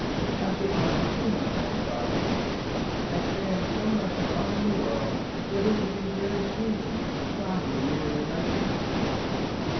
I should like to see my grandfather: I stand so much alone in the world that it would be very sweet to me to find a near relation."